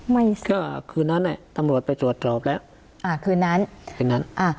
ไม่คือนั้นเนี่ยตำรวจไปสวดสอบแล้วอ่าคืนนั้นคืนนั้นอ่า